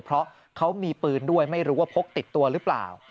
เพราะเขามีปืนด้วยไม่รู้ว่าพกติดตัวหรือเปล่า